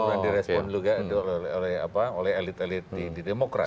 yang direspon juga oleh elit elit di demokrasi